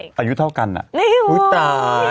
จะอายุเท่ากันอะ